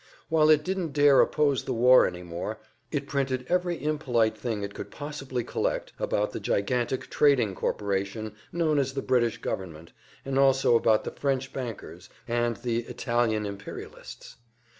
While it didn't dare oppose the war any more, it printed every impolite thing it could possibly collect about the "gigantic trading corporation" known as the British Government, and also about the "French bankers" and the "Italian imperialists."